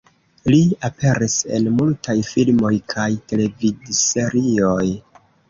Li aperis en multaj filmoj kaj televidserioj.